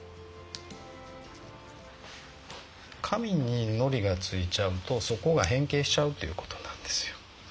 紙にのりがついちゃうとそこが変形しちゃうっていう事なんですよ。